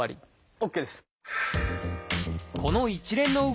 ＯＫです。